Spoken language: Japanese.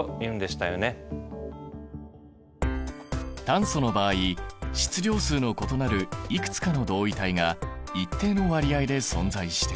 炭素の場合質量数の異なるいくつかの同位体が一定の割合で存在している。